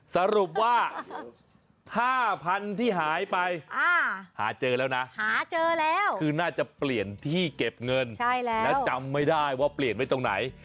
สรุปว่า๕๐๐๐ที่หายไปหาเจอแล้วนะหาเจอแล้วคือน่าจะเปลี่ยนที่เก็บเงินแล้วจำไม่ได้ว่าเปลี่ยนไว้ตรงไหน